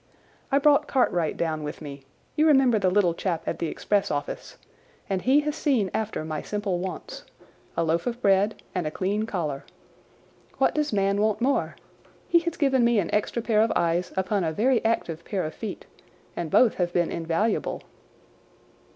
I brought Cartwright down with me—you remember the little chap at the express office—and he has seen after my simple wants: a loaf of bread and a clean collar. What does man want more? He has given me an extra pair of eyes upon a very active pair of feet, and both have been invaluable."